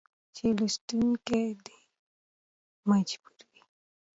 چې لوستونکى دې ته مجبور وي